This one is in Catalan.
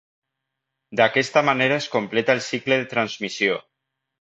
D'aquesta manera es completa el cicle de transmissió.